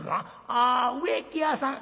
「ああ植木屋さん」。